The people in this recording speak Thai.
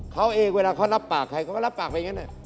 เขาเองเวลาเขารับปากใครเขาก็รับปากไปอย่างนั้น